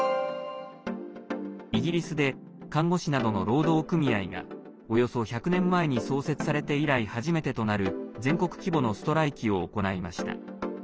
イギリスで看護師などの労働組合がおよそ１００年前に創設されて以来初めてとなる全国規模のストライキを行いました。